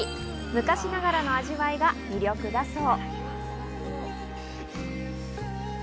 昔ながらの味わいが魅力だそう。